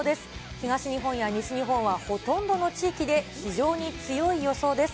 東日本や西日本は、ほとんどの地域で非常に強い予想です。